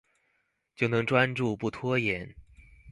就能專注、不拖延